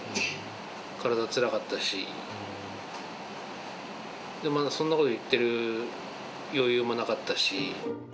体はつらかったし、そんなこと言ってる余裕もなかったし。